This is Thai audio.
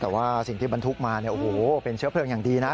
แต่ว่าสิ่งที่บรรทุกมาเนี่ยโอ้โหเป็นเชื้อเพลิงอย่างดีนะ